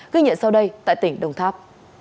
ghi nhận sau đây tại tỉnh đồng tháp